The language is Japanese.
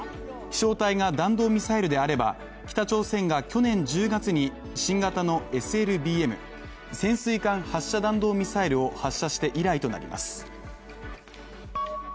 飛翔体が弾道ミサイルであれば、北朝鮮が去年１０月に新型のＳＬＢＭ＝潜水艦発射弾道ミサイルを発射して以来となります。